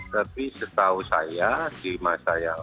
tapi setahu saya di masa yang